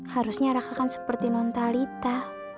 harusnya raka kan seperti nontalita